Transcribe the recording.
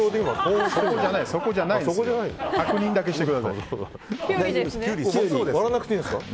そこじゃないんですよ。